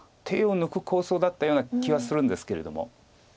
手を抜く構想だったような気はするんですけれども。